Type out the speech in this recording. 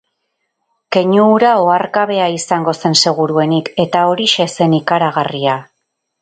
Keinu hura oharkabea izango zen seguruenik, eta horixe zen ikaragarria.